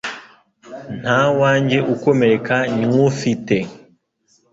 Nta wanjye ukomereka nywufite.